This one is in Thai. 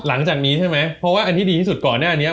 หลังจากนี้ใช่ไหมเพราะว่าอันที่ดีที่สุดก่อนหน้านี้